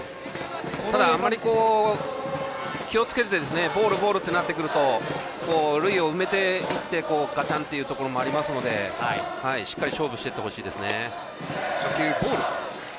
ただ、あまり気をつけてボール、ボールってなってくると塁を埋めていってガチャンというところもありますのでしっかり勝負していってほしいです。